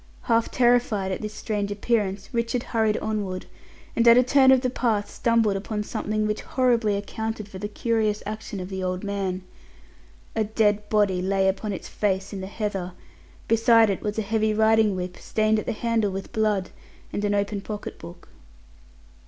Half terrified at this strange appearance, Richard hurried onward, and at a turn of the path stumbled upon something which horribly accounted for the curious action of the old man. A dead body lay upon its face in the heather; beside it was a heavy riding whip stained at the handle with blood, and an open pocket book.